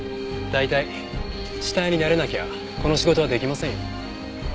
大体死体に慣れなきゃこの仕事は出来ませんよ。